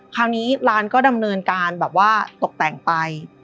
คราวนี้ร้านก็ดำเนินการแบบว่าตกแต่งไป